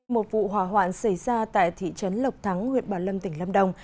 một vụ hỏa hoạn xảy ra tại thị trấn lộc thắng huyện bảo lâm tỉnh lâm đồng